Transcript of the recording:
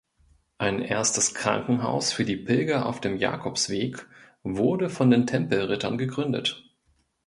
Ein erstes Krankenhaus für die Pilger auf dem Jakobsweg wurde von den Tempelrittern gegründet.